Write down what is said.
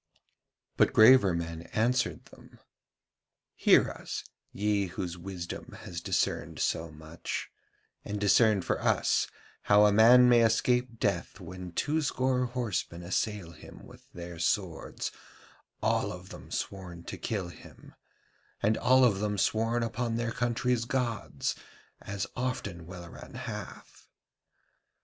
But graver men answered them: 'Hear us, ye whose wisdom has discerned so much, and discern for us how a man may escape death when two score horsemen assail him with their swords, all of them sworn to kill him, and all of them sworn upon their country's gods; as often Welleran hath.